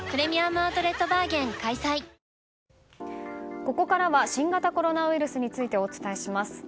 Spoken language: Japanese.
ここからは新型コロナウイルスについてお伝えします。